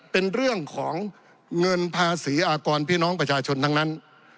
เป็นเรื่องของเงินภาษีอากรพี่น้องประชาชนทั้งนั้น